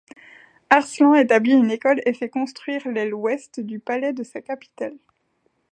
Arslan établit une école et fait construire l'aile ouest du palais de sa capitale.